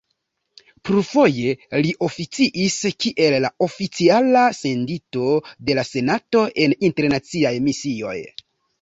Plurfoje li oficis kiel oficiala sendito de la senato en internaciaj misioj.